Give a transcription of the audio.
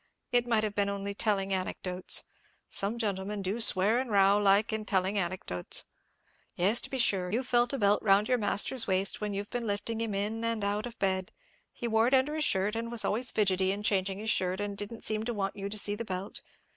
It might have been only telling anecdotes. Some gentlemen do swear and row like in telling anecdotes. Yes, to be sure! You've felt a belt round your master's waist when you've been lifting him in and out of bed. He wore it under his shirt, and was always fidgety in changing his shirt, and didn't seem to want you to see the belt.